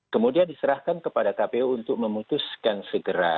kemudian diserahkan kepada kpu untuk memutuskan segera